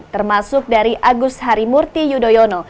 termasuk dari agus harimurti yudhoyono